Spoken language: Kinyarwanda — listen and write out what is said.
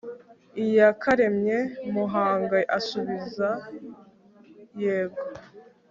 iyakaremye muhanga asubiza yego